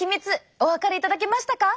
お分かりいただけましたか？